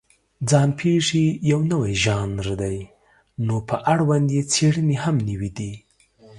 ځان پېښې یو نوی ژانر دی، نو په اړوند یې څېړنې هم نوې دي.